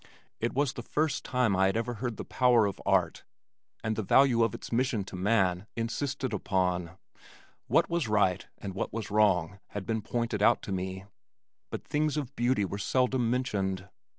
It was the first time I had ever heard the power of art and the value of its mission to man insisted upon. What was right and what was wrong had been pointed out to me, but things of beauty were seldom mentioned.